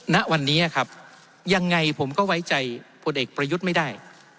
ณวันนี้ครับยังไงผมก็ไว้ใจพลเอกประยุทธ์ไม่ได้